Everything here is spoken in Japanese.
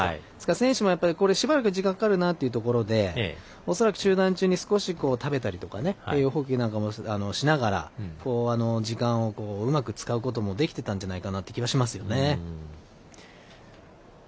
選手も、しばらく時間かかるなというところで恐らく中断中に少し、食べたりとか栄養補給なんかもしながら時間をうまく使うことができてたんじゃないかなという気がしますよね。